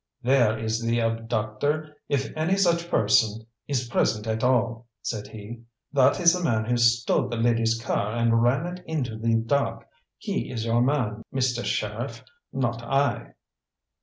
"There is the abductor, if any such person is present at all," said he. "That is the man who stole the lady's car and ran it to the dock. He is your man, Mister Sheriff, not I."